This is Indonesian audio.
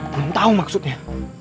belum tahu maksudnya